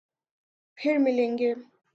پھر ملیں گے